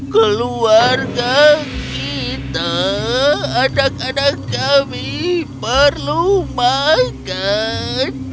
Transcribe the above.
keluarga kita anak anak kami perlu makan